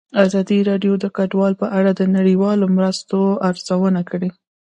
ازادي راډیو د کډوال په اړه د نړیوالو مرستو ارزونه کړې.